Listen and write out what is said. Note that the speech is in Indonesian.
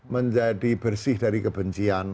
menjadi bersih dari kebencian